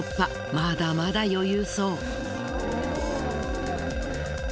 まだまだ余裕そう。